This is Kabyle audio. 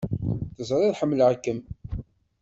Teẓrid ḥemmleɣ-kem!